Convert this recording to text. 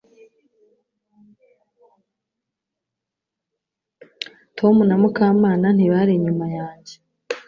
Tom na Mukamana ntibari inyuma yanjye